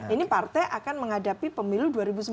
ini partai akan menghadapi pemilu dua ribu sembilan belas